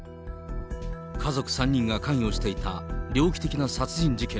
家族３人が関与していた猟奇的な殺人事件。